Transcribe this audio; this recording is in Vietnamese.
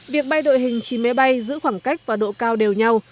việc bay đội hình chín máy bay giữ khoảng cách và độ cao đều nhau